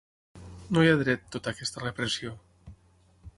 No hi ha dret, tota aquesta repressió.